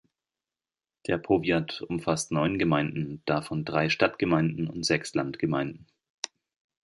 Der Powiat umfasst neun Gemeinden, davon drei Stadtgemeinden und sechs Landgemeinden.